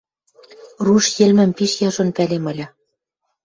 Руш йӹлмӹм пиш яжон пӓлем ыльы.